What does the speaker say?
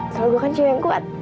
soalnya gue kan cengeng kuat